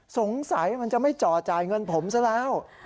สงสัยมันจะไม่จ่อจ่ายเงินผมซะแล้ว